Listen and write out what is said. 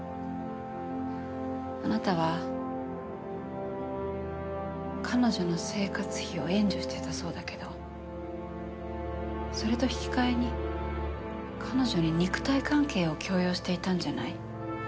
あなたは彼女の生活費を援助してたそうだけどそれと引き換えに彼女に肉体関係を強要していたんじゃない？